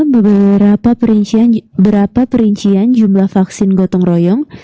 beberapa perincian jumlah vaksin gotong royong